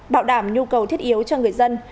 bảo đảm nhu cầu thiết yếu cho người dân